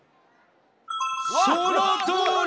そのとおり！